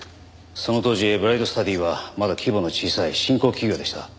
その当時ブライトスタディはまだ規模の小さい新興企業でした。